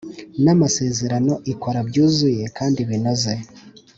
N amasezerano ikora byuzuye kandi binoze